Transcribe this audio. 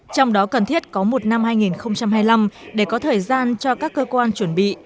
trong đó cần thiết có một năm hai nghìn hai mươi năm để có thời gian cho các cơ quan chuẩn bị